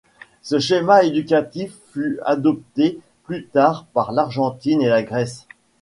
Ce schéma éducatif fut adopté plus tard par l'Argentine et la Grèce.